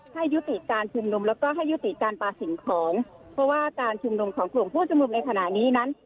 ให้ยุติการชุมนุมแล้วก็ให้ยุติการปลาสิ่งของเพราะว่าการชุมนุมของกลุ่มผู้ชุมนุมในขณะนี้นั้น